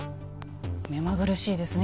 目まぐるしいですね